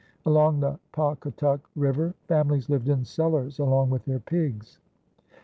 Along the Pawcatuck River, families lived in cellars along with their pigs.